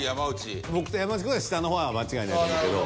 僕と山内くんは下の方は間違いないと思うけど。